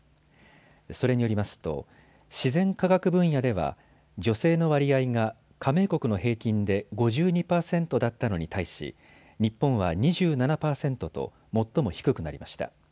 それによりますと自然科学分野では女性の割合が加盟国の平均で５２％だったのに対し日本は２７％と最も低くなりました。